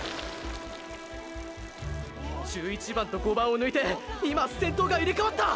１１番と５番を抜いて今先頭が入れ替わった！！